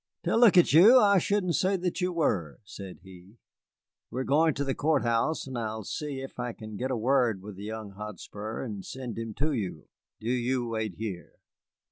"To look at you, I shouldn't say that you were," said he. "We are going to the court house, and I will see if I can get a word with the young Hotspur and send him to you. Do you wait here."